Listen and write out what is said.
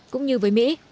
cũng như với mỹ